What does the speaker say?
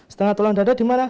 setengah tulang dada di mana